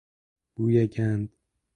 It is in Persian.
بوی گند